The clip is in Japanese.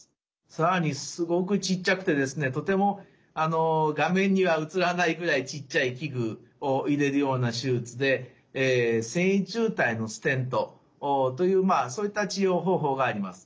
更にすごくちっちゃくてとても画面には映らないぐらいちっちゃい器具を入れるような手術で線維柱帯のステントというそういった治療方法があります。